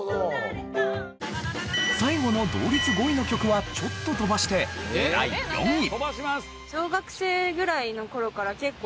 最後の同率５位の曲はちょっと飛ばして第４位。